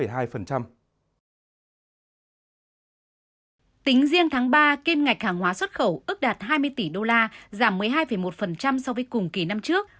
tính riêng tháng ba kim ngạch hàng hóa xuất khẩu ước đạt hai mươi tỷ đô la giảm một mươi hai một so với cùng kỳ năm trước